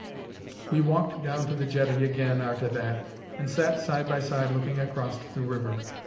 "We walked down to the jetty agin arter that, and sat side by side looking acrost the river.